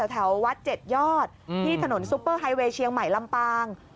แถววัด๗ยอดที่ถนนซุปเปอร์ไฮเวย์เชียงใหม่ลำปาง